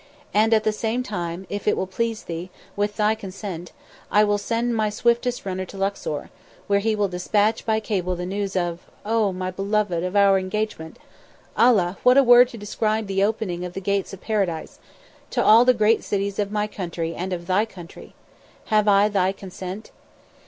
"And at the same time if it will please thee, with thy consent I will send my swiftest runner to Luxor, where he will despatch by cable the news of oh! my beloved! of our engagement Allah! what a word to describe the opening of the gates of Paradise to all the great cities of my country and of thy country. Have I thy consent?"